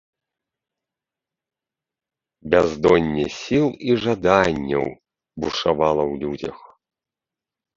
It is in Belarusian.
Бяздонне сіл і жаданняў бушавала ў людзях.